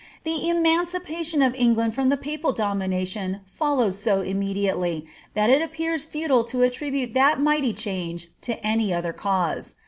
The emancipation of England from the papal domination followed so imme diately, that it appears futile to attribute that mighty change to any other cause.